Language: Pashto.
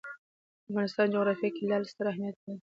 د افغانستان جغرافیه کې لعل ستر اهمیت لري.